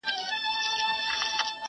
کلک په عزم داسي اومېدونه پښتانه لرم,